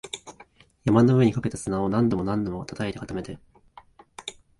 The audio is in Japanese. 山の上にかけた砂を何度も何度も叩いて、固めて